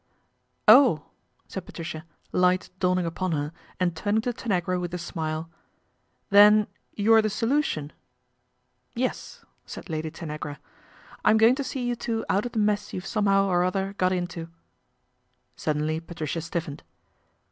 " Oh !" said Patricia, light dawning upon her ind turning to Tanagra with a smile, " Then you're the solution ?"' Yes," said Lady Tanagra, " I'm going to see you two out of the me r s you've somehow or other j got into." : Suddenly Patricia stiffened.